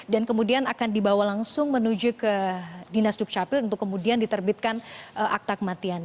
dan kemudian akan dibawa langsung menuju ke dinas dukcapil untuk kemudian diterbitkan akta kematian